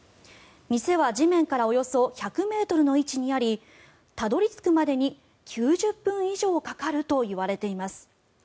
店は地面からおよそ１００ｍの位置にありたどり着くまでに９０分以上かかるといわれています。